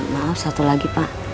maaf satu lagi pak